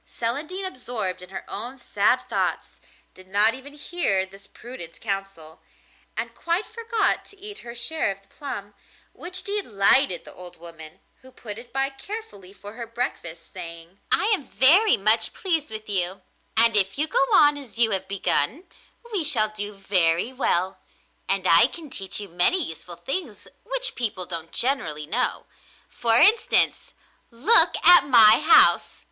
Celandine, absorbed in her own sad thoughts, did not even hear this prudent counsel, and quite forgot to eat her share of the plum, which delighted the old woman, who put it by carefully for her breakfast, saying: 'I am very much pleased with you, and if you go on as you have begun, we shall do very well, and I can teach you many useful things which people don't generally know. For instance, look at my house!